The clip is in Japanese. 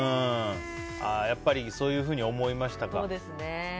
やっぱり、そういうふうに思いましたか。